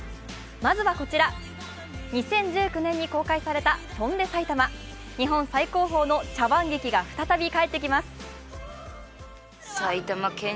まずはこちら、２０１９年に公開された「翔んで埼玉」、日本最高峰の茶番劇が再び帰ってきます。